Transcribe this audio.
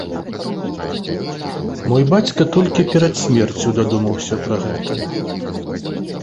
Мой бацька толькі перад смерцю дадумаўся пра гэта!